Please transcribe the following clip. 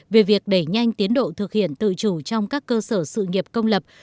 về việc đẩy nhanh tiến độ thực hiện tự chủ trong các cơ sở sự nghiệp công lập